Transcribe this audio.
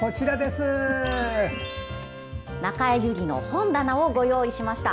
「中江有里の本棚」をご用意しました。